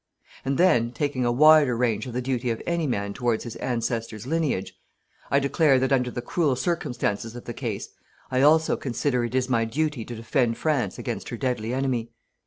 And then, taking a wider range of the duty of any man towards his ancestors' lineage, I declare that under the cruel circumstances of the case, I also consider it is my duty to defend France against her deadly enemy.